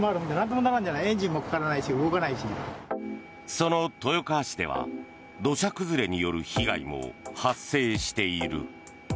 その豊川市では土砂崩れによる被害も発生している。